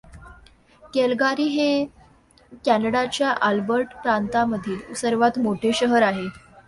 Calgary हे कॅनडाच्या Alberta प्रांतामधील सर्वात मोठे शहर आहे.